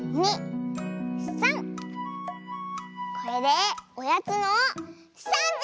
これでおやつの３じ！